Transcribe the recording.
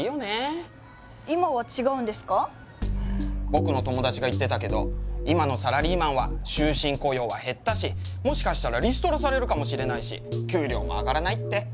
僕の友達が言ってたけど今のサラリーマンは終身雇用は減ったしもしかしたらリストラされるかもしれないし給料もあがらないって。